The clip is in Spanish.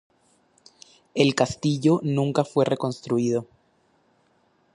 El castillo nunca fue reconstruido.